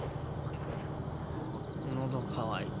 喉渇いた。